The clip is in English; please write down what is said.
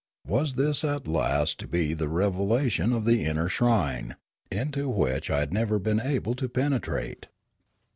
Was this at last to be the revelation of the inner shrine, into which I had never been able to penetrate